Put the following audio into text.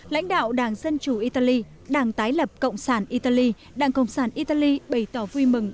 lãnh đạo đảng dân chủ italy đảng tái lập cộng sản italy đảng cộng sản italy bày tỏ vui mừng